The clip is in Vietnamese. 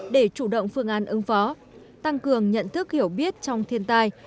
để chủ động phương án ứng phó tăng cường nhận thức hiểu biết trong thiên tai